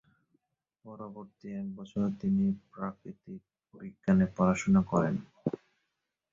পরবর্তী এক বছর তিনি প্রাকৃতিক বিজ্ঞানে পড়াশোনা করেন।